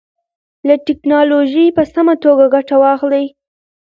له ټکنالوژۍ په سمه توګه ګټه واخلئ.